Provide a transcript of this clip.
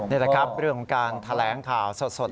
นี่แหละครับเรื่องของการแถลงข่าวสด